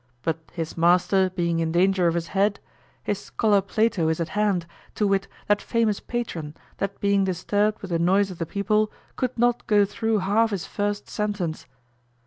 But his master being in danger of his head, his scholar Plato is at hand, to wit that famous patron, that being disturbed with the noise of the people, could not go through half his first sentence.